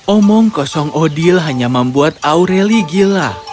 omong kosong odil hanya membuat aureli gila